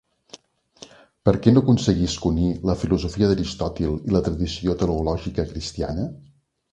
Per què no aconseguisc unir la filosofia d'Aristòtil i la tradició teològica cristiana?